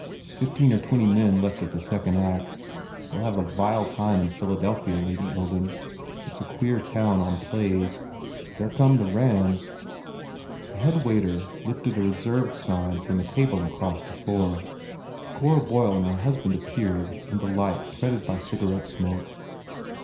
Fifteen or twenty men left in the second act. We ll have a vile time in Philadel phia, Lady Ilden. It s a queer town on plays. There come the Rands." A headwaiter lifted a "Reserved" sign from a table across the floor. Cora Boyle and her hus 228 BUBBLE band appeared in the light threaded by cigarette smoke.